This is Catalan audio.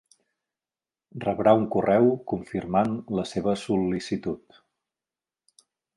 Rebrà un correu confirmant la seva sol·licitud.